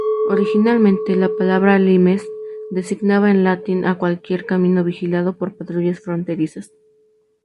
Originalmente, la palabra "limes" designaba en latín a cualquier camino vigilado por patrullas fronterizas.